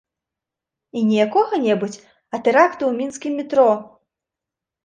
І не якога-небудзь, а тэракту ў мінскім метро!